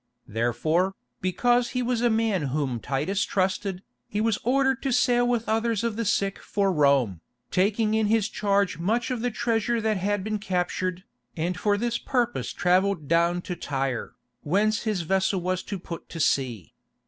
Therefore, because he was a man whom Titus trusted, he was ordered to sail with others of the sick for Rome, taking in his charge much of the treasure that had been captured, and for this purpose travelled down to Tyre, whence his vessel was to put to sea.